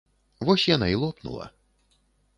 Вось яна і лопнула.